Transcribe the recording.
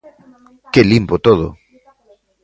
¡Que limpo todo!